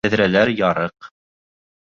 Тәҙрәләр ярыҡ...